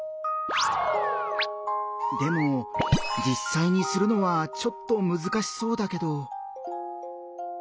でもじっさいにするのはちょっとむずかしそうだけど。